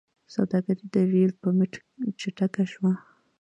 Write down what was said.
سوداګري د ریل په مټ چټکه شوه.